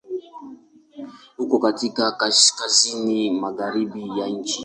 Uko katika Kaskazini magharibi ya nchi.